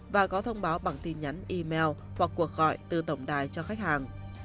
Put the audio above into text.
và có thông báo bằng tin nhắn email hoặc cuộc gọi từ tổng đài cho khách hàng